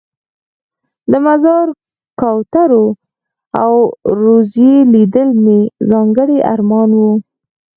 د مزار د کوترو او روضې لیدل مې ځانګړی ارمان و.